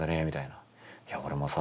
「いや俺もさ